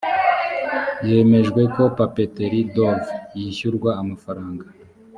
hemejwe ko papeterie dove yishyurwa amafaranga